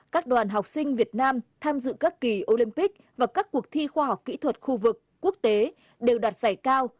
các đoàn học sinh việt nam tham dự các kỳ olympic và các cuộc thi khoa học kỹ thuật khu vực quốc tế đều đạt giải cao